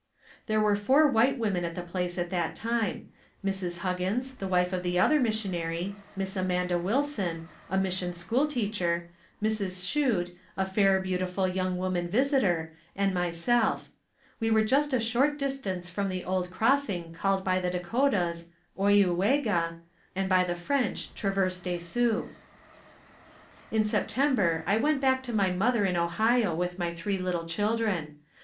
There were four white women at the place at that time, Mrs. Huggins, the wife of the other missionary, Miss Amanda Wilson, a mission school teacher, Mrs. Chute, a fair, beautiful young woman visitor and myself. We were just a short distance from the old crossing called by the Dakotas, Oiyuwega, (O e you way ga) and by the French Traverse de Sioux. In September I went back to my mother in Ohio with my three little children.